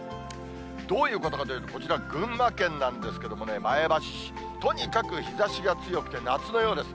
どういうことかというと、こちら群馬県なんですけどもね、前橋市、とにかく日ざしが強くて夏のようです。